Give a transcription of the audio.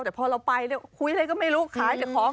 แต่พอเราไปแล้วคุยอะไรก็ไม่รู้ขายเด็กของ